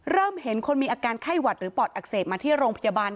เริ่มเห็นคนมีอาการไข้หวัดหรือปอดอักเสบมาที่โรงพยาบาล